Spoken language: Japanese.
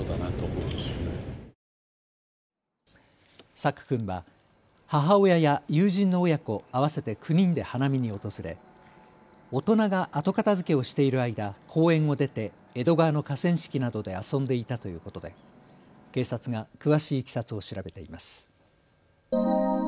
朔君は、母親や友人の親子合わせて９人で花見に訪れ大人が後片づけをしている間、公園を出て江戸川の河川敷などで遊んでいたということで警察が詳しいいきさつを調べています。